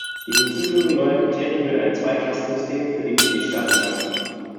Die Hinzufügung neuer Kriterien würde ein Zwei-Klassen-System für die Mitgliedstaaten schaffen.